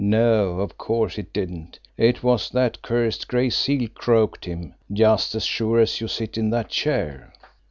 No; of course he didn't! It was that cursed Gray Seal croaked him, just as sure as you sit in that chair!"